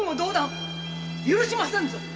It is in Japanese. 許しませぬぞ！